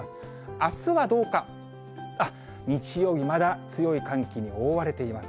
あっ、日曜日、まだ強い寒気に覆われています。